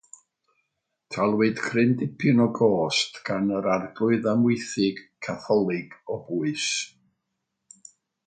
Talwyd cryn dipyn o'r gost gan yr Arglwydd Amwythig Catholig o bwys.